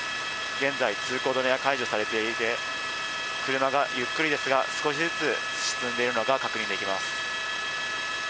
現在、通行止めは解除されていて、車がゆっくりですが、少しずつ進んでいるのが確認できます。